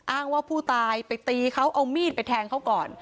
อ้างว่าผู้ตายไปตีเขาเอามีดไปแทงเขาก่อน